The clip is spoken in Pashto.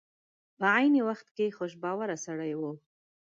په عین وخت کې خوش باوره سړی و.